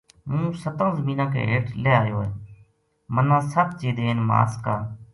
ہوں ستاں زمیناں کے ہیٹھ لہہ ایو ہے منا ست چیدین ماس کا